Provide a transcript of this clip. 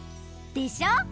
でしょ？